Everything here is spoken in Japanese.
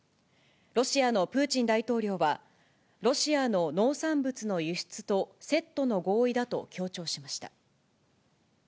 ロシアのプーチン大統領は、ロシアの農産物の輸出とセットの合意だと強調しました。